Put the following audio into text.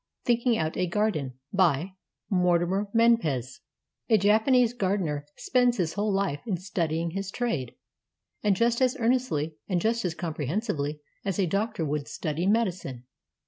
THINKING OUT A GARDEN BY MORTIMER MENPES A Japanese gardener spends his whole life in studying his trade, and just as earnestly and just as comprehen sively as a doctor would study medicine.